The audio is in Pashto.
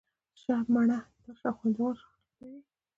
شنه مڼه ترش او خوندور خوند لري.